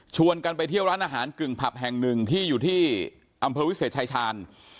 กันไปเที่ยวร้านอาหารกึ่งผับแห่งหนึ่งที่อยู่ที่อำเภอวิเศษชายชาญ